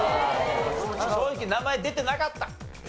正直名前出てなかった。